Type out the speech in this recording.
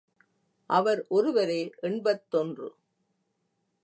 அவர் ஒருவரே எண்பத்தொன்று.